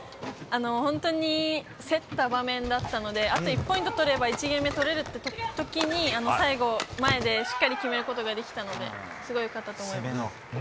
本当に競った場面だったのであと１ゲーム取れば取れるっていう時に最後、前でしっかり決めることができたのでよかったと思います。